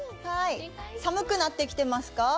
寒くなってきてますか？